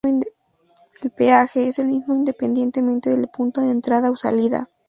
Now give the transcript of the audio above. El peaje es el mismo independientemente del punto de entrada o salida.